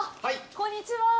こんにちは。